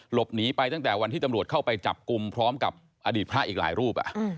หลบหนีไปตั้งแต่วันที่ตำรวจเข้าไปจับกลุ่มพร้อมกับอดีตพระอีกหลายรูป